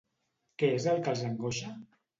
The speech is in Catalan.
Què és el que els angoixa?